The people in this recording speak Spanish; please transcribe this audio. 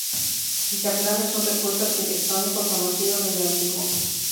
El chaflán es un recurso arquitectónico conocido desde antiguo.